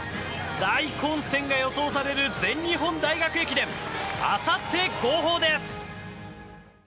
大混戦が予想される全日本大学駅伝あさって、号砲です！